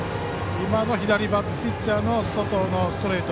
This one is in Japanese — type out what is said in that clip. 今の左ピッチャーの外へのストレート